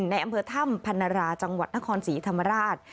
ในอำเภอถ้ำพันราจังหวัดนครศรีธรรมราช